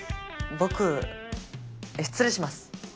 僕失礼します